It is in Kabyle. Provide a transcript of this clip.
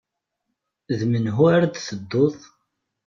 D menhu ara d-tedduḍ?